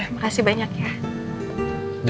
ya makasih banyak ya